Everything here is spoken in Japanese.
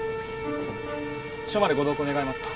署までご同行願えますか？